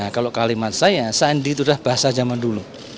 kalau kalimat saya sandi itu sudah bahasa zaman dulu